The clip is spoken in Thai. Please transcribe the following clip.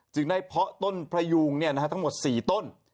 จึงได้เพาะต้นพระยุงเนี่ยนะฮะทั้งหมด๔ต้น